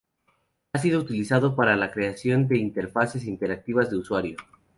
Ha sido utilizado para la creación de interfaces interactivas de usuario.